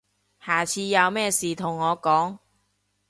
下次有咩事同我講